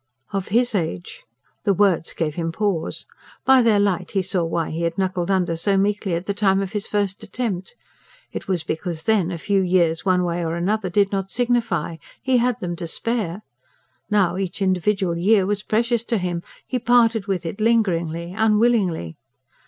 Of his age! ... the words gave him pause. By their light he saw why he had knuckled under so meekly, at the time of his first attempt. It was because then a few years one way or another did not signify; he had them to spare. Now, each individual year was precious to him; he parted with it lingeringly, unwillingly.